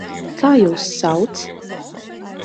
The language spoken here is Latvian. Kā jūs sauc?